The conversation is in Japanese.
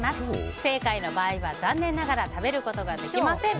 不正解の場合は残念ながら食べることはできません。